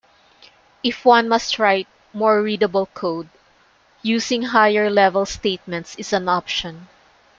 If one must write more readable code, using higher-level statements is an option.